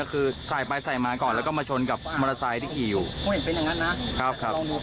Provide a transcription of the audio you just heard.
คือสายไปสายมาก่อนแล้วก็มาชนกับมอเตอร์ไซค์ที่ขี่อยู่